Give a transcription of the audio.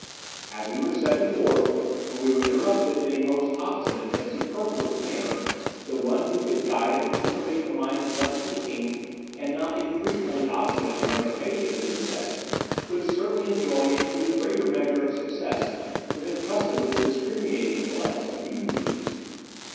As we were setting forth, when we were interrupted in a most obstinate and superfluous manner, the one who can guide and cultivate the minds of unthinking, and not infrequently obstinate and rapacious, insects would certainly enjoy an even greater measure of success if entrusted with the discriminating intellects of human beings.